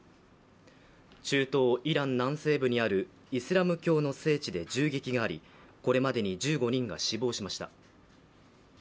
中東イラン南西部にあるイスラム教の聖地で銃撃があり、これまでに１５人が死亡しました。